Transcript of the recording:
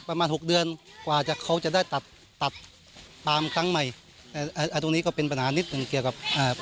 หกเดือนกว่าจะเขาจะได้ตัดตัดปามครั้งใหม่อ่าตรงนี้ก็เป็นปัญหานิดหนึ่งเกี่ยวกับอ่า